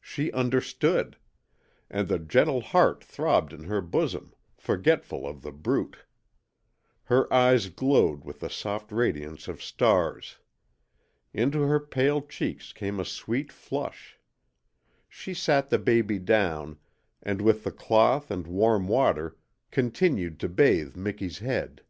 She UNDERSTOOD; and the gentle heart throbbed in her bosom, forgetful of The Brute. Her eyes glowed with the soft radiance of stars. Into her pale cheeks came a sweet flush. She sat the baby down, and with the cloth and warm water continued to bathe Miki's head.